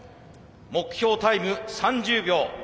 目標タイム３０秒。